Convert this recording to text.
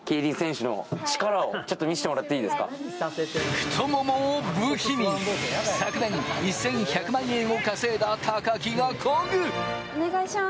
太もも武器に、昨年１１００万円を稼いだ高木がこぐ！